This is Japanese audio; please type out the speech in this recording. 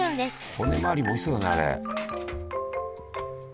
骨まわりもおいしそうだねあれ。